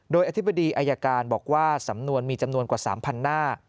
โดยอธิบดีอายการบอกว่าสำนวนมีจำนวนกว่า๓๐๐หน้า